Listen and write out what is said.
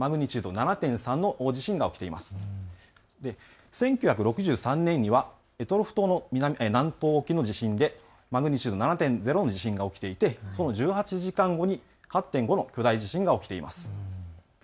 １９６３年には択捉島の南東沖の地震でマグニチュード７．０の地震が起きていてその１８時間後に８．５の巨大地震が起きています。